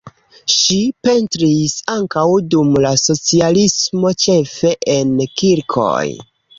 Ŝi pentris ankaŭ dum la socialismo ĉefe en kirkoj.